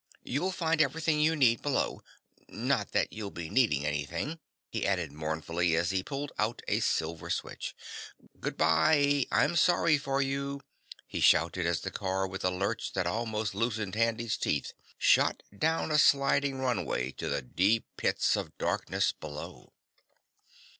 "You'll find everything you need below, not that you'll be needing anything," he added mournfully as he pulled out a silver switch. "Goodbye, I'm sorry for you!" he shouted as the car with a lurch that almost loosened Handy's teeth shot down a sliding runway to the deep pits of darkness below.